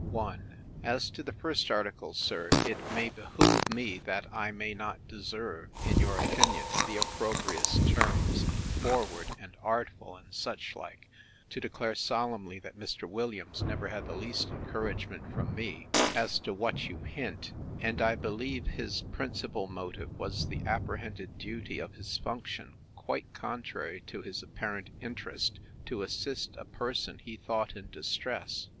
I. As to the first article, sir, it may behove me (that I may not deserve, in your opinion, the opprobrious terms of forward and artful, and such like) to declare solemnly, that Mr. Williams never had the least encouragement from me, as to what you hint; and I believe his principal motive was the apprehended duty of his function, quite contrary to his apparent interest, to assist a person he thought in distress.